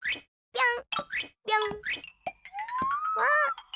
ぴょん。